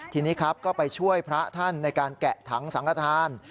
ทีนี้ครับก็ไปช่วยพระท่านในการแกะถังสังฆฐาน